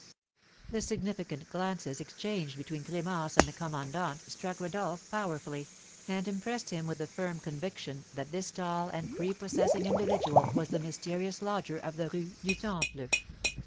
The significant glances exchanged between Clémence and the commandant struck Rodolph powerfully, and impressed him with the firm conviction that this tall and prepossessing individual was the mysterious lodger of the Rue du Temple.